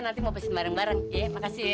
nanti mau pesan bareng bareng ya makasih ya